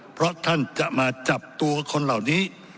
เพราะท่านจะมาจับตัวคนเหล่านี้